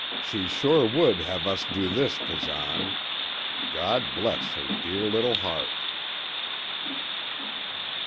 "She sure would have us do this, Kazan. God bless her dear little heart!"